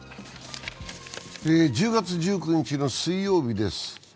１０月１９日の水曜日です。